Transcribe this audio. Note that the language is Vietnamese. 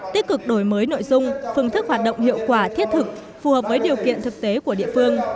tích cực đổi mới nội dung phương thức hoạt động hiệu quả thiết thực phù hợp với điều kiện thực tế của địa phương